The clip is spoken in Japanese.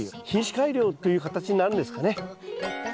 品種改良という形になるんですかね。